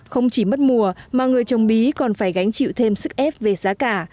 không chỉ mất mùa mà người trồng bí còn phải gánh chịu thêm sức ép về giá cả